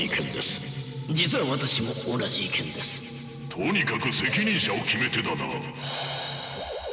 とにかく責任者を決めてだな。